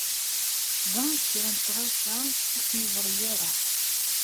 Ẓrant kra n tɣawsa ur tt-neẓri ara.